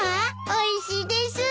おいしいです。